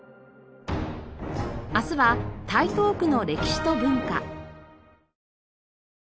明日は台東区の歴史と文化。